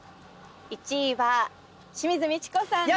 １位は清水ミチコさんです。